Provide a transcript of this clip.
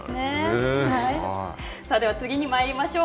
では次にまいりましょう。